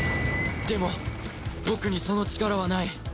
でも僕にその力はない